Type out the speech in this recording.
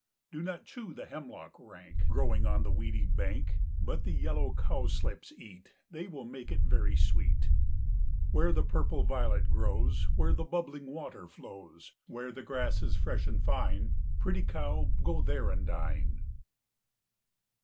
Do not chew the hemlock rank, Growing on the weedy bank; But the yellow cowslips eat, They will make it very sweet. Where the purple violet grows, Where the bubbling water flows, Where the grass is fresh and fine, Pretty cow, go there and dine.